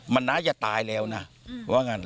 มันน่าจะตายแล้วนะ